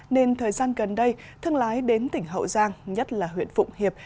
nên thời gian gần đây thương lái đến tỉnh hậu giang nhất là huyện phụng hiệp